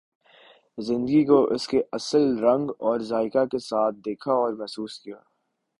زندگی کو اس کے اصل رنگ اور ذائقہ کے ساتھ دیکھا اور محسوس کیا۔